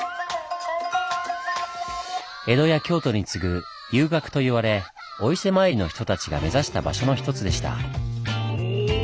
江戸や京都に次ぐ遊郭と言われお伊勢参りの人たちが目指した場所の一つでした。